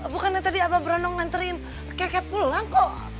bukan yang tadi abah bronong nganterin keket pulang kok